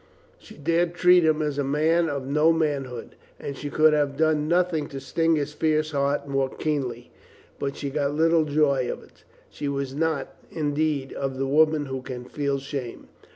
She dared treat him as a man of no manhood, and she could have done nothing to sting his fierce heart more keenly. But she got little joy of it. She was not, indeed, of the women who can feel shame.